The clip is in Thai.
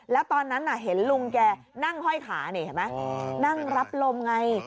แล้วตอนนั้นเห็นลุงแกนั่งห้อยขานี่เห็นไหมนั่งรับลมไง